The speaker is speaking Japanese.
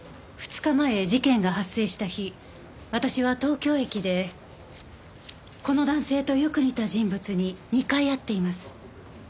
２日前事件が発生した日私は東京駅でこの男性とよく似た人物に２回会っています。